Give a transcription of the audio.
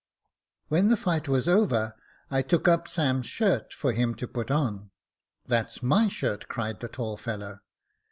When the fight was over, I took up Sam's shirt for him to put on. * That's my shirt,' cried the tall fellow.